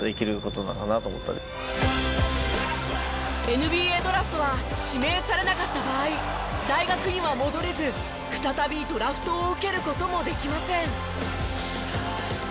ＮＢＡドラフトは指名されなかった場合大学には戻れず再びドラフトを受ける事もできません。